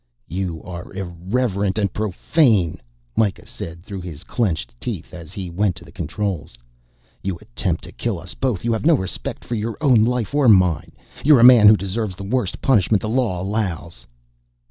"You are irreverent and profane," Mikah said through his clenched teeth, as he went to the controls. "You attempt to kill us both. You have no respect for your own life or mine. You're a man who deserves the worst punishment the law allows."